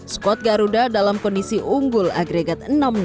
skuad garuda dalam kondisi unggul agregat enam